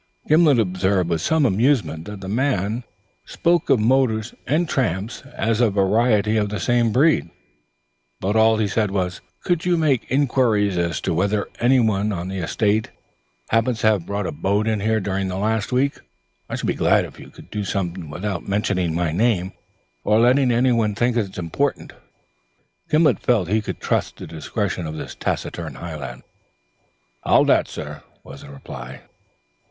Gimblet observed with some amusement that the man spoke of motors and tramps as of varieties of the same breed; but all he said was: "Could you make inquiries as to whether anyone on the estate happens to have brought a boat in here during the last week? I should be glad if you could do so without mentioning my name, or letting anyone think it is important." He felt he could trust the discretion of this taciturn Highlander. "I'll that, sir," was the reply.